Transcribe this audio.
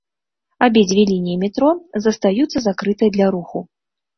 Абедзве лініі метро застаюцца закрытай для руху.